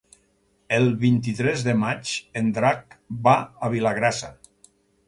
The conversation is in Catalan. El vint-i-tres de maig en Drac va a Vilagrassa.